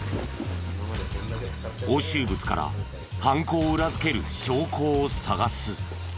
押収物から犯行を裏付ける証拠を探す。